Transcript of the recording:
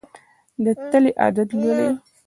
د تلې عدد لولي.